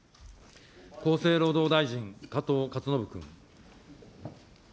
厚生労働大臣、加藤勝信君。